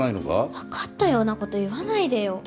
分かったようなこと言わないでよ